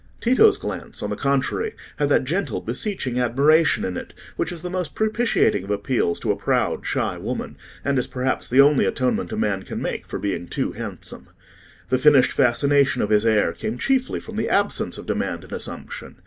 Tito's glance, on the contrary, had that gentle, beseeching admiration in it which is the most propitiating of appeals to a proud, shy woman, and is perhaps the only atonement a man can make for being too handsome. The finished fascination of his air came chiefly from the absence of demand and assumption.